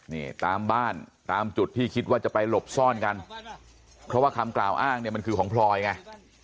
นี่ตามบ้านตามจุดที่คิดว่าจะไปหลบซ่อนกันเพราะว่าคำกล่าวอ้างเนี่ยมันคือของพลอยไง